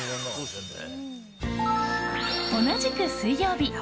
同じく水曜日。